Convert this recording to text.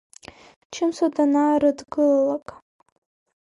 Чымса данаарыдгылалак.